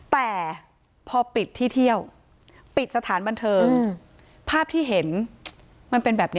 แต่พอปิดที่เที่ยวปิดสถานบันเทิงภาพที่เห็นมันเป็นแบบนี้